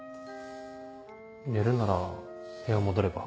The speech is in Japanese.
寝るなら部屋戻れば？